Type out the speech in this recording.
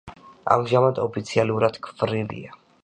ამჟამად ოფიციალურად ქვრივია.